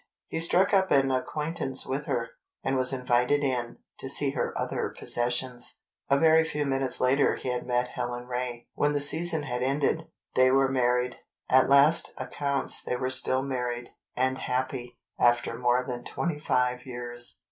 He struck up an acquaintance with her, and was invited in, to see her other possessions. A very few minutes later he had met Helen Ray. When the season had ended, they were married. At last accounts they were still married—and happy—after more than twenty five years.